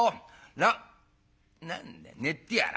ら何だ寝てやら。